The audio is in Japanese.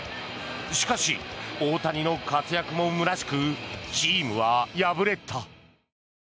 しかし、大谷の活躍もむなしくチームは敗れた。